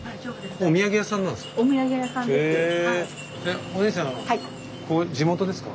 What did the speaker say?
お土産屋さんなんですか？